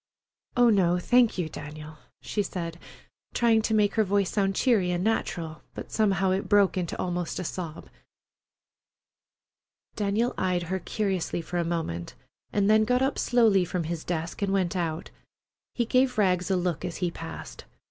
"Oh, no, thank you, Daniel," she said, trying to make her voice sound cheery and natural, but somehow it broke into almost a sob. Daniel eyed her curiously for a moment, and then got up slowly from his desk and went out. He gave Rags a look as he passed.